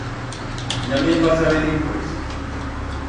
Ya me'n pasaré dimpués.